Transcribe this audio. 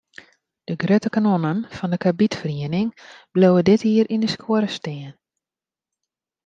De grutte kanonnen fan de karbidferiening bliuwe dit jier yn de skuorre stean.